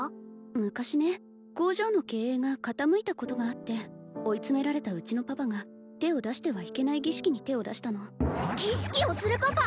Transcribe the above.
昔ね工場の経営が傾いたことがあって追い詰められたうちのパパが手を出してはいけない儀式に手を出したの儀式をするパパ！